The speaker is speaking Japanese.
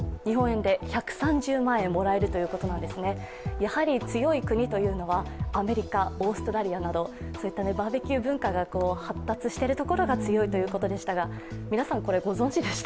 やはり強い国はアメリカ、オーストラリアなどそういったバーベキュー文化が発達しているところが強いということでしたが皆さん、これ、ご存じでした？